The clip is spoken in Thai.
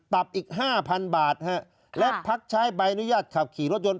อีกห้าพันบาทและพักใช้ใบอนุญาตขับขี่รถยนต์